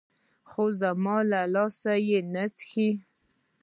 خو زما له لاسه يې نه چښي.